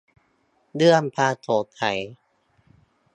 เรื่องความโปร่งใส